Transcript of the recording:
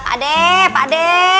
pak d pak d